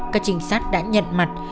các trinh sát đã nhận mặt